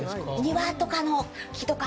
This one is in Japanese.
庭とかの木とか。